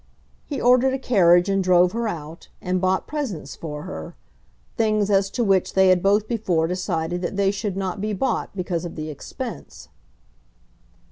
He ordered a carriage and drove her out, and bought presents for her, things as to which they had both before decided that they should not be bought because of the expense.